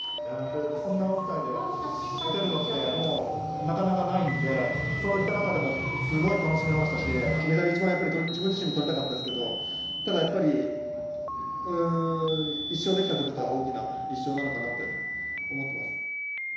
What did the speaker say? こんな大舞台で撃てるのってなかなかないのでそういった中でもすごい楽しめましたしメダルは自分自身取りたかったですけどただ、やっぱり１勝できたということが大きな１勝なのかなって思ってます。